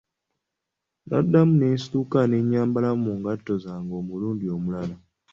Naddamu ne nsituka ne nyambalamu mu ngatto zange omulundi omulala.